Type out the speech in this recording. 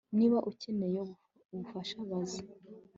Niba ukeneye ubufasha baza